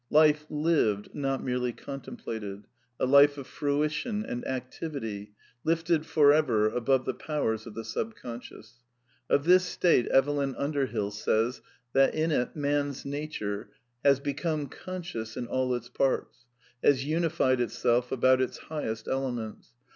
Life lived, not merely contemplated; a life of "fruition and activity," lifted for ever above the powers of the Subconscious. Of this state Evelyn Underbill says that in it man's nature '^.. has become conscious in all its parts, has unified itself about its highest elements.